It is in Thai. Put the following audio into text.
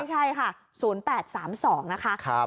ใช่ค่ะ๐๘๓๒นะคะ